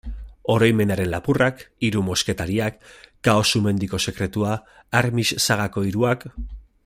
Oroimenaren lapurrak, Hiru mosketariak, Kao-Sumendiko sekretua, Armix sagako hiruak...